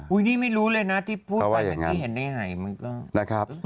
อุ้ยนี่ไม่รู้เลยนะที่พูดกับที่เห็นไหนมันก็